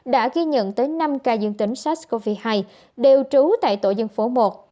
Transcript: đã ghi nhận tới năm ca dương tính sars cov hai đều trú tại tổ dân phố một